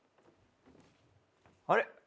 あれ？